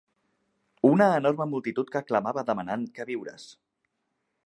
Una enorme multitud que clamava demanant queviures